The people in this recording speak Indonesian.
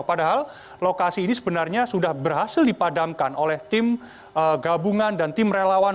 padahal lokasi ini sebenarnya sudah berhasil dipadamkan oleh tim gabungan dan tim relawan